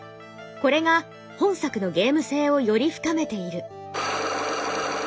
これが本作のゲーム性をより深めている。